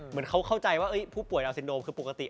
เหมือนเขาเข้าใจว่าผู้ป่วยลาวซินโดมคือปกติ